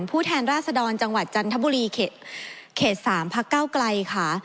ผู้แทนราชดรจังหวัดจันทบุรีเขต๓พักเก้าไกลค่ะ